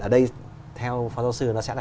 ở đây theo phó giáo sư nó sẽ là